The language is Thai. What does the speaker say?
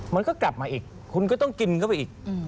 มันก็กลับมาอีกคุณก็ต้องกินเข้าไปอีก